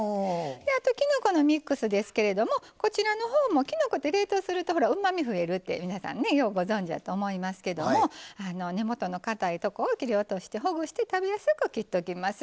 あときのこのミックスですけれどもこちらのほうもきのこって冷凍するとほらうまみ増えるって皆さんねようご存じやと思いますけども根元のかたいとこを切り落としてほぐして食べやすく切っときます。